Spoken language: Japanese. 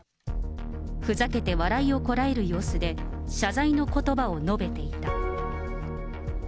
ふざけて笑いをこらえる様子で、謝罪のことばを述べていた。